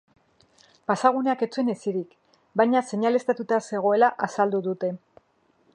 Pasaguneak ez zuen hesirik, baina seinaleztatuta zegoela azaldu dute.